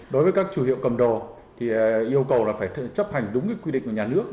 đối với các chủ hiệu cầm đồ thì yêu cầu là phải chấp hành đúng quy định của nhà nước